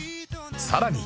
さらに